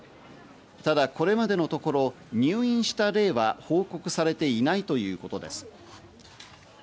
ただ、これまでのところ入院した例は報告されていないということです。